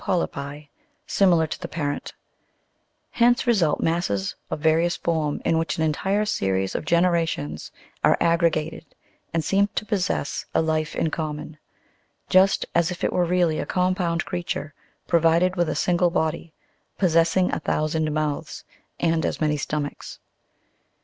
97 polypi, similar to the parent; hence result masses of various form, in which an entire series of generations are aggregated, and seem to possess a life in common, just as if it were really a compound creature, provided with a single body, possessing a thousand mouths, and as many stomachs (fig.